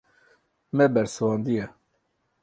Me bersivandiye.